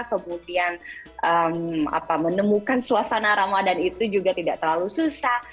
kemudian menemukan suasana ramadan itu juga tidak terlalu susah